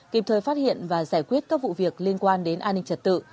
kịp thời phát hiện và giải quyết các vụ việc liên quan đến an ninh trật tự